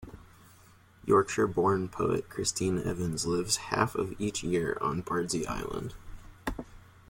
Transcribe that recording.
Yorkshire born poet Christine Evans lives half of each year on Bardsey Island.